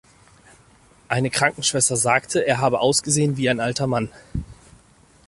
Eine Krankenschwester sagte, er habe ausgesehen "wie ein alter Mann".